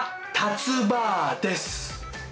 たつ婆です。